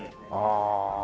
ああ。